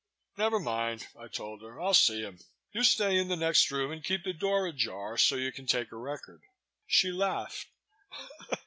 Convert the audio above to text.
"Never mind," I told her. "I'll see him. You stay in the next room and keep the door ajar so you can take a record." She laughed.